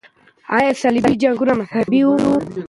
آیا صلیبي جنګونه مذهبي وو؟